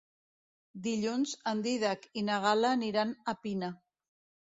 Dilluns en Dídac i na Gal·la aniran a Pina.